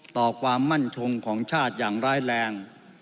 ความมั่นคงของชาติอย่างร้ายแรง